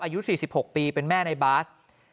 อายุ๔๖ปีเป็นแม่ในบาส